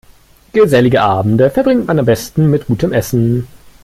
Gesellige Abende verbringt man am besten mit gutem Essen.